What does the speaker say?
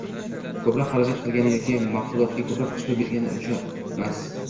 ko‘proq xarajat qilgani yoki maxsulotiga ko‘proq ishlov bergani uchunmas